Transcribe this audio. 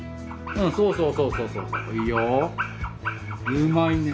そうそうそうそう。